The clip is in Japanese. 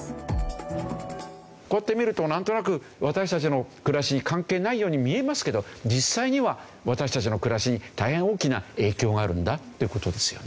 こうやって見るとなんとなく私たちの暮らしに関係ないように見えますけど実際には私たちの暮らしに大変大きな影響があるんだっていう事ですよね。